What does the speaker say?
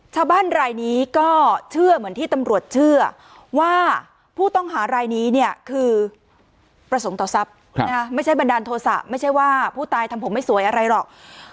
ชาวบ้านรายนี้ก็เชื่อเหมือนที่ตำรวจเชื่อว่าผู้ต้องหารายนี้เนี่ยคือประสงค์ต่อทรัพย์ไม่ใช่บันดาลโทษะไม่ใช่ว่าผู้ตายทำผมไม่สวยอะไรหรอก